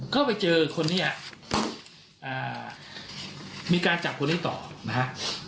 ก็ไปเจอคนที่มีการจับคนนี้ต่อนะฮะ